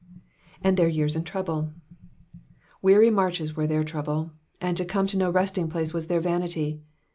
''''And their years in trouble.'*'' Weary marches were their trouble, and to come to no resting place was their vanity.